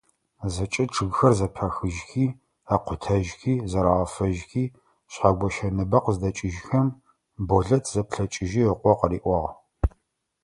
ЗэкӀэ чъыгхэр зэпахыжьхи, акъутэжьхи, зэрагъэфэжьхи, Шъхьэгощэ ныбэ къыздэкӀыжьхэм, Болэт зэплъэкӀыжьи ыкъо къыриӀуагъ.